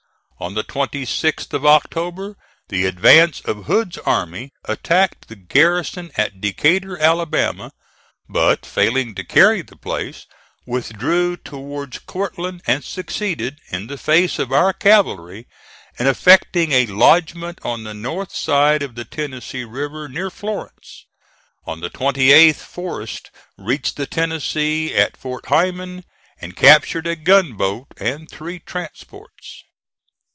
On the 26th of October, the advance of Hood's army attacked the garrison at Decatur, Alabama, but failing to carry the place, withdrew towards Courtland, and succeeded, in the face of our cavalry, in effecting a lodgment on the north side of the Tennessee River, near Florence. On the 28th, Forrest reached the Tennessee, at Fort Heiman, and captured a gunboat and three transports.